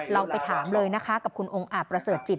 เราไปถามเลยนะคะกับคุณองค์อาจประเสริฐจิต